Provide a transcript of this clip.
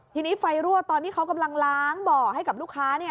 ทีนี้ไฟรั่วตอนที่เขากำลังล้างบ่อให้กับลูกค้า